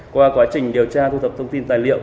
qua quá trình điều tra thu thập thông tin tài liệu